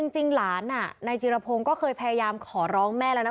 จริงหลานนายจิรพงศ์ก็เคยพยายามขอร้องแม่แล้วนะ